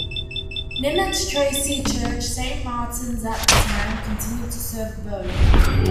Nymet Tracey's church, Saint Martin's at the time, continued to serve Bow.